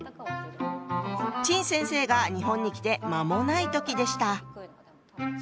陳先生が日本に来て間もない時でした。